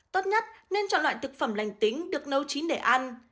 tốt nhất nên chọn loại thực phẩm lành tính được nấu chín để ăn